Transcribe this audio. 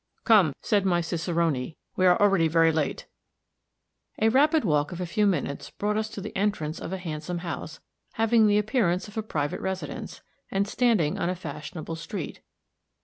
"Come," said my cicerone, "we are already very late." A rapid walk of a few minutes brought us to the entrance of a handsome house, having the appearance of a private residence, and standing on a fashionable street.